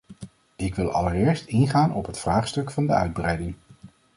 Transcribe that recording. Ik wil allereerst ingaan op het vraagstuk van de uitbreiding.